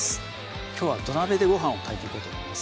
きょうは土鍋でごはんを炊いていこうと思います